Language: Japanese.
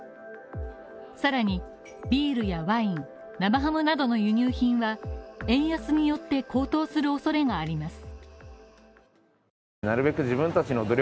さらに、ビールやワイン生ハムなどの輸入品は、円安によって高騰する恐れがあります。